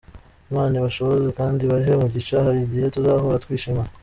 Imana ibashoboze kandi ibahe umugisha, hari igihe tuzahura twishimana.